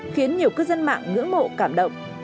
khiến nhiều cư dân mạng ngưỡng mộ cảm động